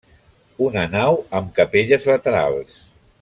Una nau amb capelles laterals.